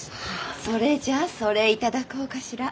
それじゃあそれ頂こうかしら。